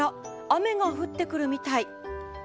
雨が降ってくるみたい。